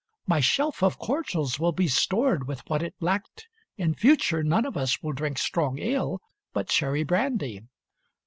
"My shelf Of cordials will be stored with what it lacked. In future, none of us will drink strong ale, But cherry brandy."